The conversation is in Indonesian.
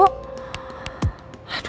aduh gimana ini ya